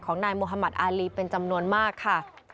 ของนายมหมาต์อารีเป็นจำนวนมากค่ะ